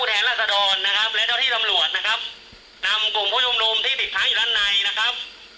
และเจ้าที่สำหรวดนะครับนำกลุ่มผู้ชมนุมที่ติดท้ายอยู่ด้านในนะครับ